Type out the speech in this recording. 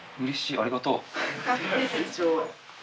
ありがとう。